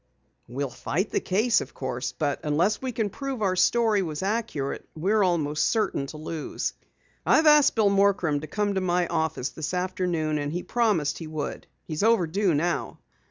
"We'll fight the case, of course, but unless we can prove that our story was accurate, we're almost sure to lose. I've asked Bill Morcrum to come to my office this afternoon, and he promised he would. He's overdue now."